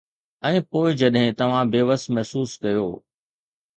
۽ پوءِ جڏهن توهان بيوس محسوس ڪيو.